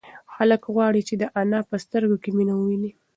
هلک غواړي چې د انا په سترگو کې مینه وویني.